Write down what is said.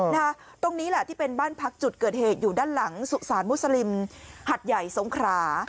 ตรงนี้แหละที่เป็นบ้านพักจุดเกิดเหตุอยู่ด้านหลังสุสานมุสลิมหัดใหญ่สงขรา